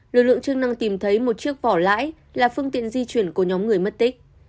lực lượng chức năng tìm thấy một chiếc vỏ lãi là phương tiện di chuyển của nhóm người mất tích